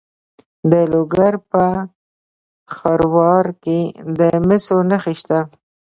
د لوګر په خروار کې د مسو نښې شته.